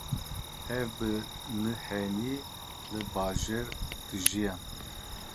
Ew bi nihênî li bajêr dijiyan.